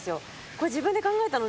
これ自分で考えたの？